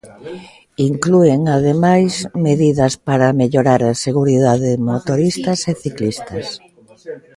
Inclúen ademais medidas para mellorar a seguridade de motoristas e ciclistas.